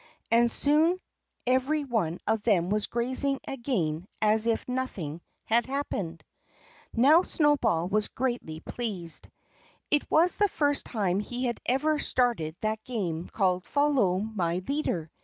And soon every one of them was grazing again as if nothing had happened. Now, Snowball was greatly pleased. It was the first time he had ever started that game called Follow My Leader.